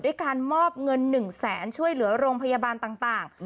ด้วยการมอบเงิน๑๐๐๐บาทช่วยเหลือโรงพยาบาลต่าง